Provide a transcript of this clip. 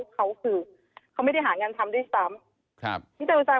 เขาคือไม่ได้หางานทำได้ซ้ำ